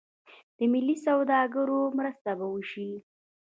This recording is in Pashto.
د ملي سوداګرو مرسته به وشي.